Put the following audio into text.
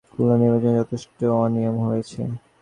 এ ধরনের নমুনা থেকে বলা যায় যে খুলনা নির্বাচনে যথেষ্ট অনিয়ম হয়েছে।